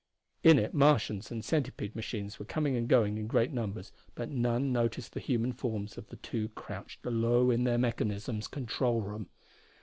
In it Martians and centipede machines were coming and going in great numbers, but none noticed the human forms of the two crouched low in their mechanism's control room.